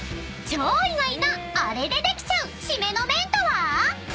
［超意外なあれでできちゃう締めの麺とは？］